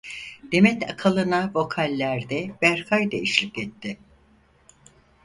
Demet Akalın'a vokallerde Berkay da eşlik etti.